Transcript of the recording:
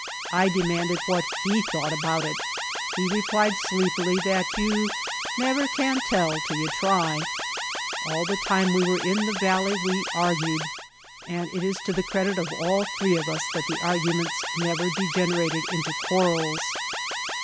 I demanded what he thought about it. He replied sleepily that you "never can tell 'til you try." All the time we were in the valley we argued, and itis to the credit of all three of us that the arguments never degenerated into quarrels.